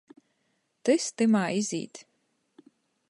Tys tymā izīt!